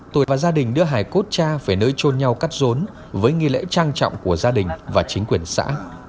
tôi và gia đình đưa hải cốt cha về nơi trôn nhau cắt rốn với nghi lễ trang trọng của gia đình và chính quyền xã